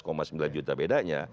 kalau enam belas sembilan juta bedanya